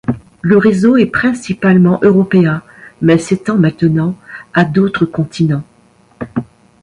Le réseau est principalement européen mais s'étend maintenant à d'autres continents.